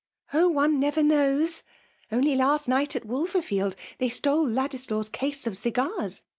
" Oh ! one never knows ! Only last night, «t Wdvcrfidd, they stole Ladislaw's case of cigars.